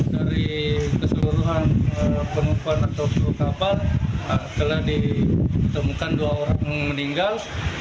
dari keseluruhan penumpang atau seluruh kapal telah ditemukan dua orang meninggal